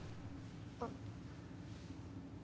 あっ。